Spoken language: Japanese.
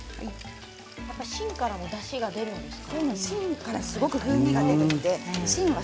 芯からもだしが出るんですか？